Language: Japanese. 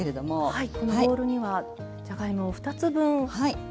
はい。